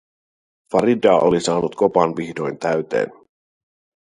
Farida oli saanut kopan vihdoin täyteen.